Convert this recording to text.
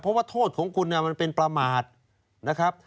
เพราะว่าโทษของคุณมันเป็นประมาทนะครับ